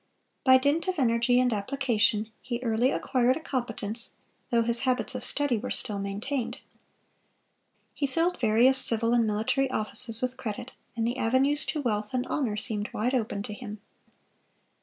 By dint of energy and application he early acquired a competence, though his habits of study were still maintained. He filled various civil and military offices with credit, and the avenues to wealth and honor seemed wide open to him.